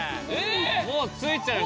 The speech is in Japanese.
もう着いちゃうよ